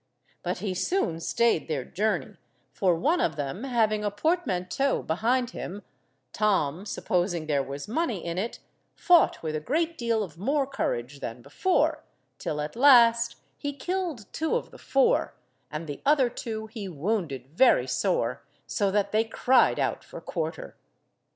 But he soon stayed their journey, for one of them having a portmanteau behind him, Tom, supposing there was money in it, fought with a great deal of more courage than before, till at last he killed two of the four, and the other two he wounded very sore so that they cried out for quarter.